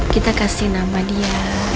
kita kasih nama dia